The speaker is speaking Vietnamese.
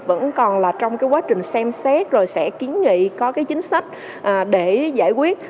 vẫn còn trong quá trình xem xét rồi sẽ kiến nghị có chính sách để giải quyết